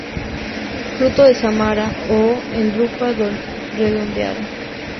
Fruto en sámara o en drupa redondeada.